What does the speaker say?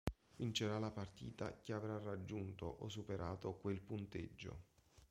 Vincerà la Partita chi avrà raggiunto o superato quel punteggio.